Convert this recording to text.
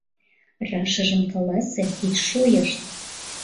— Рашыжым каласе, ит шойышт!